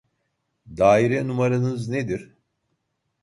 Daire numaranız nedir